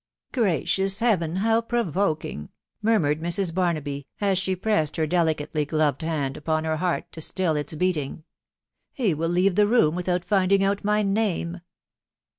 " Gracious heaven, how provoking !" murmured Mrs* Bar naby, as she pressed her delicately gloved hand upon her heart to still its beating ...." He will leave the room without finding out my name